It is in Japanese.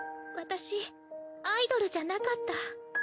私アイドルじゃなかった。